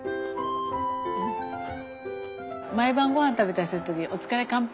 毎晩ごはん食べたりする時「お疲れ乾杯」。